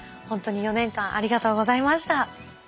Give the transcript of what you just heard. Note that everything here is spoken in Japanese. ほんとに４年間ありがとうございました。